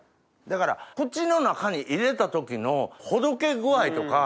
だから口の中に入れた時のほどけ具合とか。